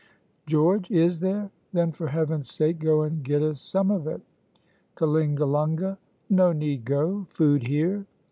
George. "Is there? then for Heaven's sake go and get us some of it." Kalingalunga. "No need go, food here."